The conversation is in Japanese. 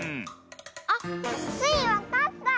あっスイわかった！